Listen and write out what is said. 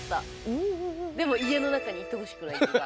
でも家の中にいてほしくないっていうか。